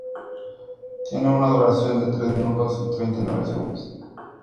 Tiene una duración de tres minutos y treinta y nueve segundos.